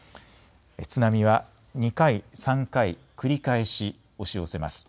津波は２回、３回繰り返し押し寄せます。